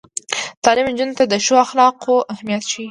تعلیم نجونو ته د ښو اخلاقو اهمیت ښيي.